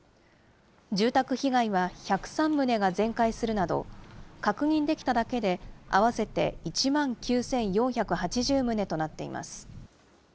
住宅被害は１０３棟が全壊するなど、確認できただけで、合わせて１万９４８０棟となっています。